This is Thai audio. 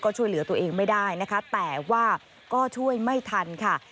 ช่วยเหลือตัวเองไม่ได้นะคะแต่ว่าก็ช่วยไม่ทันค่ะ